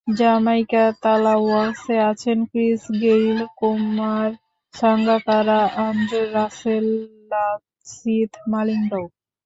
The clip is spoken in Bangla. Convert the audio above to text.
জ্যামাইকা তালাওয়াসে আছেন Chris Gayle, Kumar Sangakkara, Andre Russell, Lasith মালিঙ্গাও।